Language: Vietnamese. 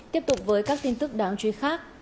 tiếp tục với các tin tức đáng chú ý khác